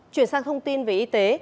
chuyển sang thông tin về y tế